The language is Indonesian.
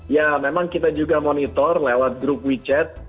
ya memang kita juga monitor lewat grup wechat